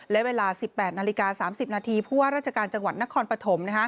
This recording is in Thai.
และเวลา๑๘นาฬิกา๓๐นาทีผู้ว่าราชการจังหวัดนครปฐม